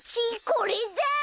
これだ！